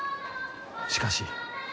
しかし。